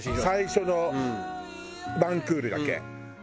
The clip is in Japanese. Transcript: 最初の１クールだけ。